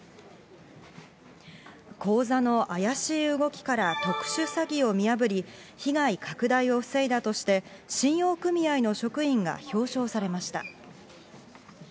口座の怪しい動きから特殊詐欺を見破り、被害拡大を防いだとして、信用組合の職員が表彰されました。